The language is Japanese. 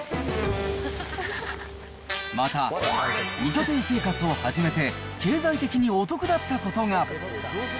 また２拠点生活を始めて、経済的にお得だったことが。